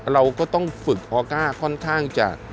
เราก็ต้องฝึกออก้าค่อนข้างจะ